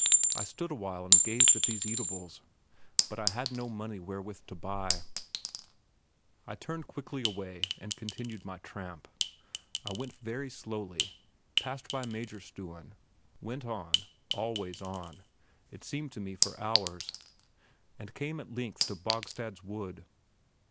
I stood a while and gazed at these eatables; but as I had no money wherewith to buy, I turned quickly away and continued my tramp. I went very slowly, passed by Majorstuen, went on, always on it seemed to me for hours, and came at length at Bogstad's wood.